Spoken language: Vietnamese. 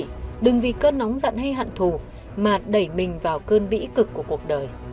chỉ đừng vì cơn nóng giận hay hận thù mà đẩy mình vào cơn vĩ cực của cuộc đời